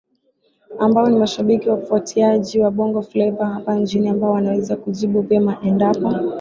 ambao ni mashabiki wafuatiaji wa Bongo fleva hapa nchini ambao wanaweza kujibu vyema endapo